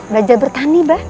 belajar bertani bah